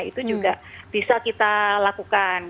itu juga bisa kita lakukan